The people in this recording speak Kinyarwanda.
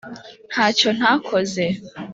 Ntacyo ntakoze